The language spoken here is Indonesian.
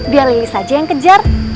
biar lilis saja yang kejar